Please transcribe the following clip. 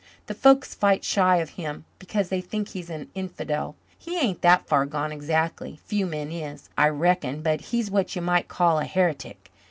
The folks fight shy of him because they think he's an infidel. He ain't that far gone exactly few men is, I reckon but he's what you might call a heretic.